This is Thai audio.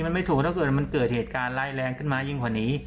มันไม่ถูกถ้าเกิดเกิดเหตุการณ์ไหลแรงขึ้นไหว